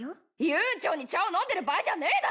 悠長に茶を飲んでる場合じゃねえだろ！